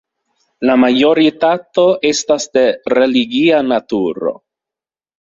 La majoritato estas de religia naturo.